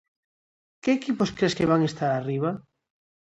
Que equipos cres que van estar arriba?